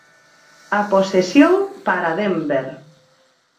A posesión para Denver.